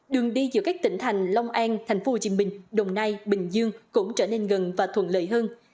đường đi giữa các tỉnh thành long an tp hcm đồng nai bình dương cũng trở nên gần và thuận lợi hơn